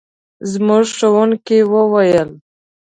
زموږ ښوونکي وویل.